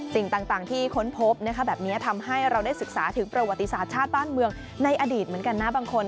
สิ่งต่างที่ค้นพบแบบนี้ทำให้เราได้ศึกษาถึงประวัติศาสตร์ชาติบ้านเมืองในอดีตเหมือนกันนะบางคน